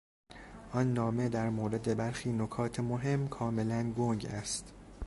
آن نامه در مورد برخی نکات مهم کاملا گنگ است.